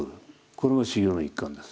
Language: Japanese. これも修行の一環です。